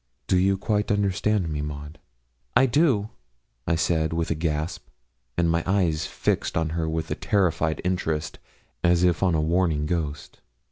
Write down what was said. Do you quite understand me, Maud?' 'I do,' said I, with a gasp, and my eyes fixed on her with a terrified interest, as if on a warning ghost.